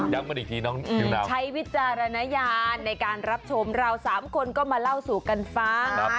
ค่ะคือตั้งแต่ใจใช้วิจารณญาณในการรับชมเราสามคนก็มาเล่าสู่กันฟัง